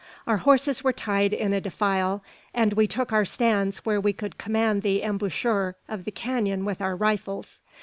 Our horses were tied in a defile; and we took our stands where we could command the embouchure of the canon with our rifles.